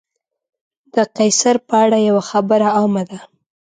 د قیصر په اړه یوه خبره عامه ده.